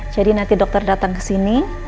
jadi nanti dokter datang kesini